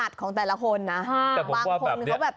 จริงคือแล้วแต่ความพนัดของแต่ละคน